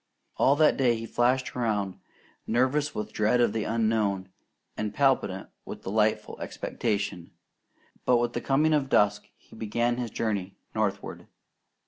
All that day he flashed around, nervous with dread of the unknown, and palpitant with delightful expectation; but with the coming of dusk he began his journey northward.